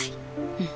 うん。